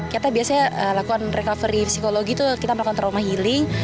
kita biasanya lakukan recovery psikologi itu kita melakukan trauma healing